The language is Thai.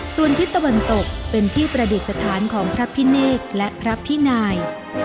ส่วนทิศตะวันตกเป็นที่ประดิษฐานของพระพิเนกและพระพินาย